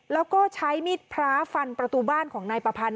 แล้วก็ใช้มีดพระฟันประตูบ้านของนายประพันธ์